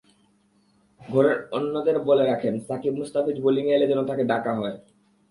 ঘরের অন্যদের বলে রাখেন, সাকিব-মুস্তাফিজ বোলিংয়ে এলে যেন তাঁকে ডাকা হয়।